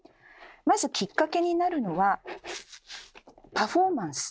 まずきっかけになるのは「パフォーマンス」。